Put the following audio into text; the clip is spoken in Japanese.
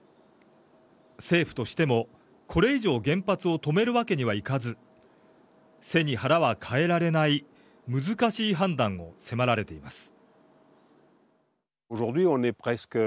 政府としてもこれ以上原発を止めるわけにはいかず背に腹はかえられない難しい判断を迫られています。